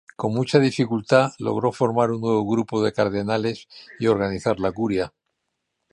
Con mucha dificultad logró formar un nuevo grupo de cardenales y organizar la curia.